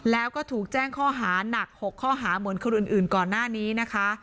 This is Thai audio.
แล้วก็ถูกแจ้งข้อหานัก๖ข้อหาเหมือนคนอื่นก่อนหน้านี้นะคะ